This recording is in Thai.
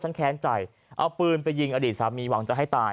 แค้นใจเอาปืนไปยิงอดีตสามีหวังจะให้ตาย